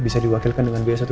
bisa diwakilkan dengan nama sadur